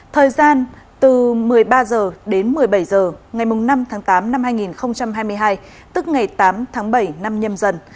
thời gian từ một mươi ba h đến một mươi bảy h ngày năm tháng tám năm hai nghìn hai mươi hai tức ngày tám tháng bảy năm nhâm dần